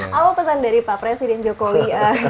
apa pesan dari pak presiden jokowi